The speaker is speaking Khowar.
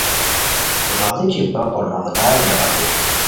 غیڑوچی بپو نوغدار جوانی